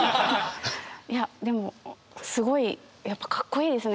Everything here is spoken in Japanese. いやでもすごいやっぱかっこいいですね。